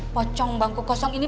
aku ingin kesini